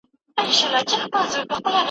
که ته غواړې چي پوه سې نو پوښتنه وکړه.